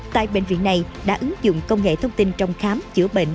tại bệnh viện này đã ứng dụng công nghệ thông tin trong khám chữa bệnh